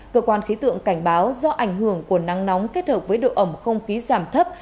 cơ quan khí tượng cảnh báo do ảnh hưởng của nắng nóng kết hợp với độ ẩm không khí giảm thấp